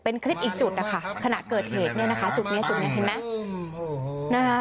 เป็นคลิปอีกจุดนะคะขณะเกิดเหตุเนี่ยนะคะจุดนี้จุดนี้เห็นไหมนะคะ